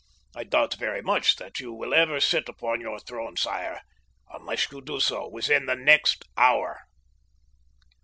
I doubt much that you will ever sit upon your throne, sire, unless you do so within the very next hour."